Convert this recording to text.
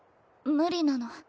無理なの。